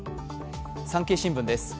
「産経新聞」です